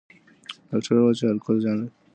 ډاکټر وویل چې الکول زیان لري.